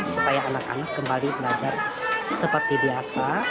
supaya anak anak kembali belajar seperti biasa